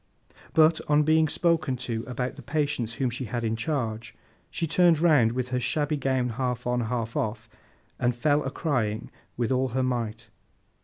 But, on being spoken to about the patients whom she had in charge, she turned round, with her shabby gown half on, half off, and fell a crying with all her might.